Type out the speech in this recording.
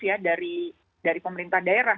ya dari pemerintah daerah